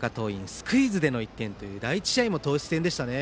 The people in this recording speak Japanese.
スクイズでの１点という第１試合も投手戦でしたね。